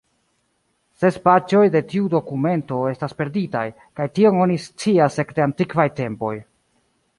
Ses paĝoj de tiu dokumento estas perditaj, kaj tion oni scias ekde antikvaj tempoj.